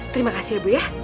terima kasih ya bu ya